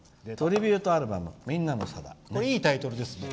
いいタイトルですね。